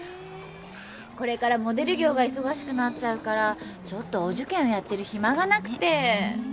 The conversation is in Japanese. これからモデル業が忙しくなっちゃうからちょっとお受験をやってる暇がなくて。